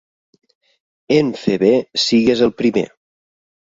En fer bé sigues el primer.